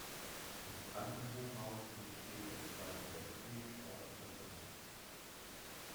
Das Kranken-Hochhaus diente später im Zweiten Weltkrieg auch als Lazarett.